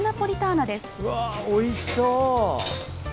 うわ、おいしそう！